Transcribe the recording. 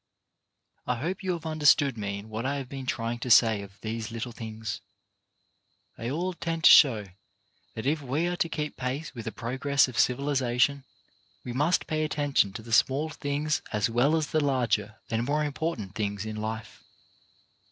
I hope you have understood me in what I have been trying to say of these little things. They all tend to show that if we are to keep pace with the UNIMPROVED OPPORTUNITIES 129 progress of civilization, we must pay attention to the small things as well as the larger and more important things in life.